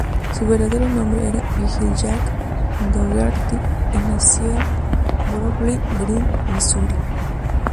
Su verdadero nombre era Virgil Jack Daugherty, y nació en Bowling Green, Misuri.